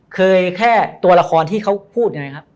แค่ตัวละครที่เขาพูดยังไงครับ